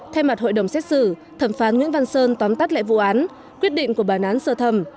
thay mặt hội đồng xét xử thẩm phán nguyễn văn sơn tóm tắt lại vụ án quyết định của bản án sơ thẩm